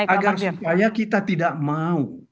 agar supaya kita tidak mau